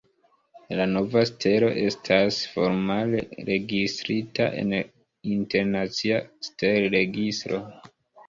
La nova stelo estas formale registrita en internacia stelregistro.